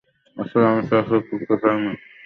আসলে, আমি সেটা ঠিক করতে চাইনি।